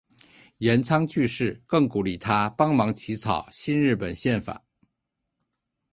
岩仓具视更鼓励他帮忙起草新日本宪法。